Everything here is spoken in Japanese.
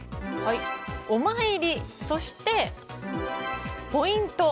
お参り、そしてポイント。